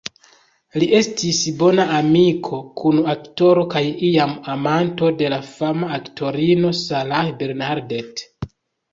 Li estis bona amiko, kun-aktoro, kaj iam amanto de la fama aktorino Sarah Bernhardt.